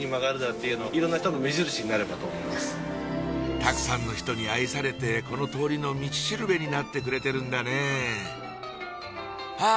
たくさんの人に愛されてこの通りの道しるべになってくれてるんだねはぁ！